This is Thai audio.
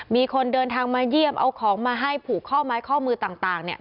มีคนเดินทางมาเยี่ยมเอาของมาให้ผูกข้อไม้ข้อมือต่าง